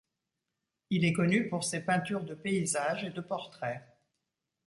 Il est connu pour ses peintures de paysages et de portraits.